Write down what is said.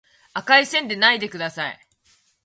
赤い線でないでください